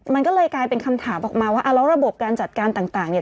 มันก็เลยกลายเป็นคำถามออกมาว่าแล้วระบบการจัดการต่างเนี่ย